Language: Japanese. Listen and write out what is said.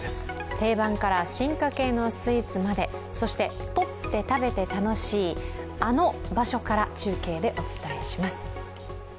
定番から進化形のスイーツまで、そして、とって食べて楽しい、あの場所から中継でお伝えします。